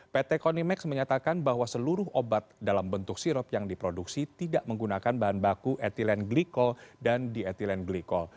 pt konimax menyatakan bahwa seluruh obat dalam bentuk sirop yang diproduksi tidak menggunakan bahan baku etilen glikol dan dietilen glikol